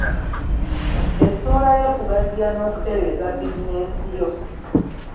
Essuula y’okugaziya n’okutereeza bizinensi yo.